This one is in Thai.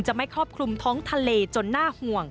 ไม่ครอบคลุมท้องทะเลจนน่าห่วง